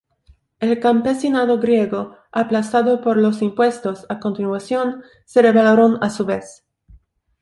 El campesinado griego, aplastado por los impuestos, a continuación, se rebelaron a su vez.